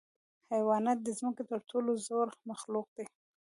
حیوانات د ځمکې تر ټولو زوړ مخلوق دی.